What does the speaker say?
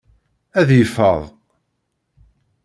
Ad yeffad.